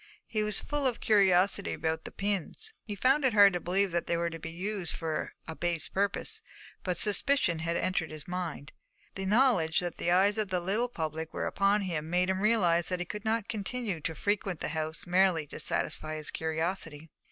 He was full of curiosity about the pins. He found it hard to believe that they were to be used for a base purpose, but suspicion had entered his mind. The knowledge that the eyes of the little public were upon him made him realise that he could not continue to frequent the house merely to satisfy his curiosity.